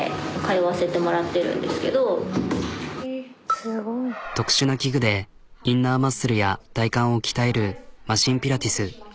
私特殊な器具でインナーマッスルや体幹を鍛えるマシンピラティス。